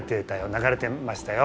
流れてましたよ！